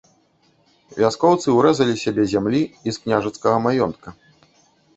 Вяскоўцы ўрэзалі сабе зямлі і з княжацкага маёнтка.